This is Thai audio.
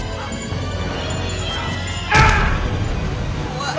ช่วย